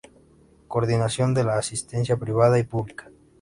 Coordinación de la asistencia privada y pública.